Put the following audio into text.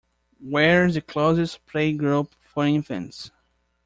Where is the closest playgroup for infants?